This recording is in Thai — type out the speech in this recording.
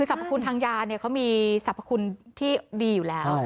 ทางยาเขามีสรรพคุณที่ดีอยู่แล้ว